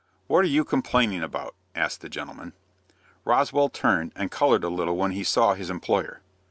"What are you complaining about?" asked that gentleman. Roswell turned, and colored a little when he saw his employer.